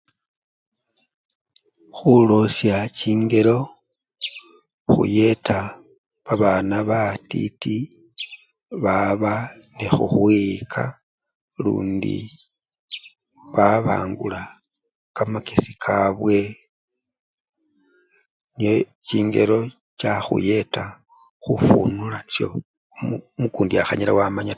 Khulosya chingelo, khuyeta babana batiti baba ne khukhwiyika lundi babangula kamakesi kabwe nechingelo chakhuyeta khufunula nio okundi akhanyala wamanya taa.